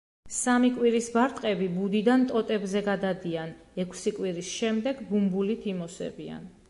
სამი კვირის ბარტყები ბუდიდან ტოტებზე გადადიან, ექვსი კვირის შემდეგ ბუმბულით იმოსებიან.